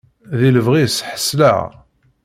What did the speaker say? Di lebɣi-s ḥeṣleɣ.